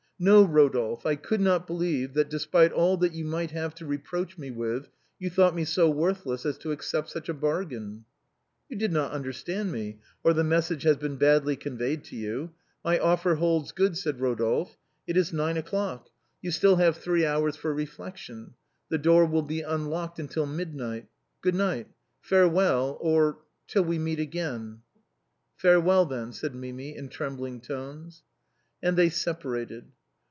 No, Rodolphe, I could not believe that, despite all that you might have to reproach me with, you thought me so worthless as to accept such a bargain." " You did not understand me, or the message has been l)adly conveyed to you. My offer holds good," said Ro dolphe. " It is nine o'clock. You have still three hours for reflection. The door will be unlocked till midnight. Good night. Farewell, or — till we meet again." " Farewell, then," said Mimi, in trembling tones. And they separated.